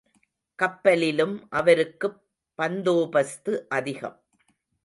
கப்பலிலும் அவருக்குப் பந்தோபஸ்து அதிகம்.